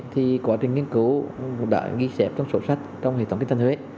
thì quá trình nghiên cứu đã ghi xếp trong sổ sách trong hệ thống kinh thành huế